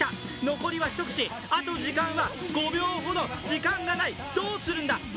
残りは一口、あと時間は５秒ほど時間がない、どうするんだ？